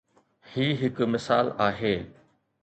هي هڪ مثال آهي.